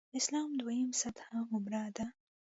اسلام دویمه سطح عمره ده.